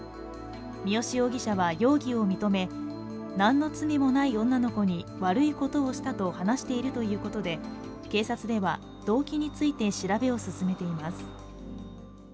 三好容疑者は容疑を認め何の罪もない女の子に悪いことをしたと話しているということで、警察では動機について調べを進めています。